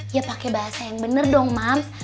ya pakai bahasa yang bener dong mark